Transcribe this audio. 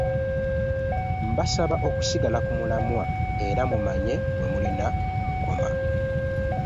Mbasaba okusigala ku mulamwa era mumanye we mulina okukoma